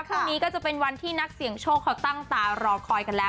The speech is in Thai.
พรุ่งนี้ก็จะเป็นวันที่นักเสี่ยงโชคเขาตั้งตารอคอยกันแล้ว